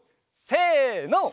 せの！